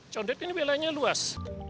condet ini wilayahnya luas